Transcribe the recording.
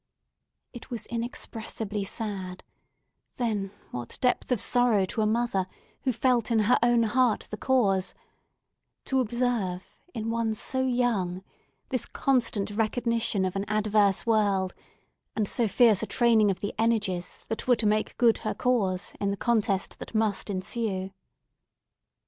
It was inexpressibly sad—then what depth of sorrow to a mother, who felt in her own heart the cause—to observe, in one so young, this constant recognition of an adverse world, and so fierce a training of the energies that were to make good her cause in the contest that must ensue.